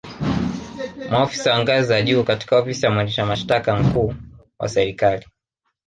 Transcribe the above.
Maofisa wa ngazi za juu katika Ofisi ya mwendesha mashitaka mkuu wa Serikali